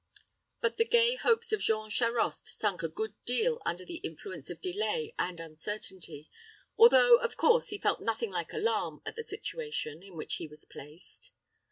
But the gay hopes of Jean Charost sunk a good deal under the influence of delay and uncertainty, although, of course, he felt nothing like alarm at the situation in which he was placed.